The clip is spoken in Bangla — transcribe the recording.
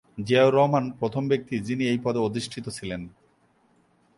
জিয়াউর রহমান প্রথম ব্যক্তি যিনি এই পদে অধিষ্ঠিত ছিলেন।